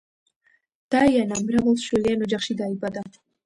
დაიანა მრავალშვილიან ოჯახში დაიბადა.